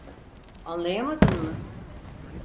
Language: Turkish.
Anlayamadın mı?